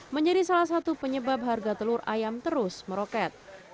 menjadi salah satu penyebab harga telur ayam terus meroket